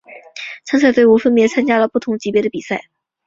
参赛队伍分别参加了不同级别的比赛。